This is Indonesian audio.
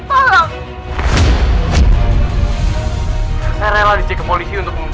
terima kasih juga ageng sumipun empat ribu dua carnegie university dan rumahmu famous kurang berbakat